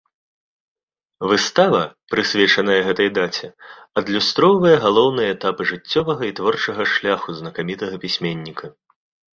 Выстава, прысвечаная гэтай даце, адлюстроўвае галоўныя этапы жыццёвага і творчага шляху знакамітага пісьменніка.